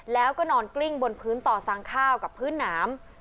แล้วก็นอนกลิ้งบนพื้นต่อสั่งข้าวกับพื้นหนาม